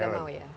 mau tidak mau ya